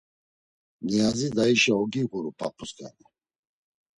Niyazi dayişa ogi ğuru p̌ap̌usǩani.